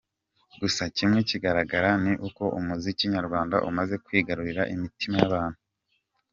Gusa kimwe kigaragara ni uko umuziki nyarwanda umaze kwigarurira imitima y’abantu.